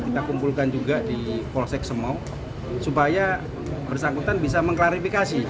kita kumpulkan juga di polsek semau supaya bersangkutan bisa mengklarifikasi